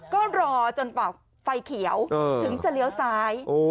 ก็รอจนกว่าไฟเขียวถึงจะเลี้ยวซ้าย